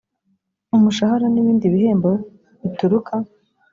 umushahara n’ibindi bihembo bituruka